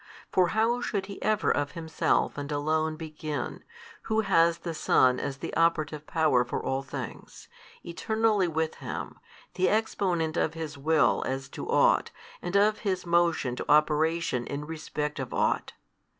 For how should He ever of Himself and alone begin, Who has the Son as the operative Power for all things, Eternally with Him, the Exponent of His Will as to ought and of His motion to operation in respect of ought.